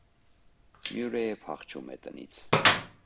Մյուրրեյը փախչում է տնից։